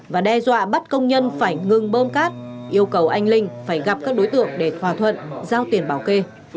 và đe dọa bắt công nhân phải ngừng bơm cát yêu cầu anh linh phải gặp các đối tượng để thỏa thuận giao tiền bảo kê